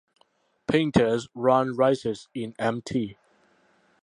Painters Run rises in Mt.